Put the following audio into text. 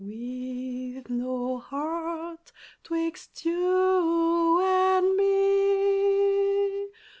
with no heart 'twixt you and me!